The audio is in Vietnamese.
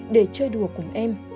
để chơi đùa cùng em